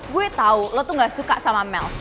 gue tau lo tuh gak suka sama mel